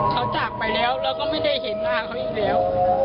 เขาจากไปแล้วเราก็ไม่ได้เห็นหน้าเขาอีกแล้ว